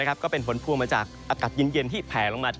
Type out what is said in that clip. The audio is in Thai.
ก็เป็นผลพวงมาจากอากาศเย็นที่แผลลงมา